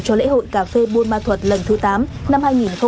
cho lễ hội cà phê buôn ma thuật lần thứ tám năm hai nghìn hai mươi